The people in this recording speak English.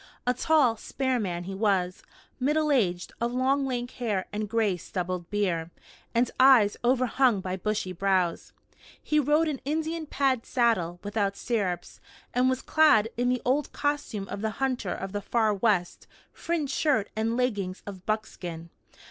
A tall, spare man he was, middle aged, of long lank hair and gray stubbled beard, and eyes overhung by bushy brows. He rode an Indian pad saddle, without stirrups, and was clad in the old costume of the hunter of the Far West fringed shirt and leggings of buckskin.